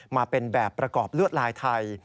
มาเป็นแบบประกอบลวดลายไทย